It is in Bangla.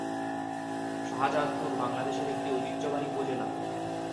শাহজাদপুর বাংলাদেশের একটি ঐতিহ্যবাহী উপজেলা।